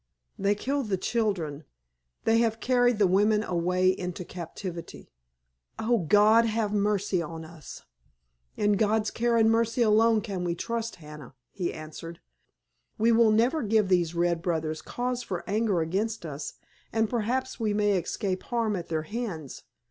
"They killed the children. They have carried the women away into captivity." "Oh, God, have mercy on us!" "In God's care and mercy alone can we trust, Hannah," he answered. "We will never give these red brothers cause for anger against us, and perhaps we may escape harm at their hands.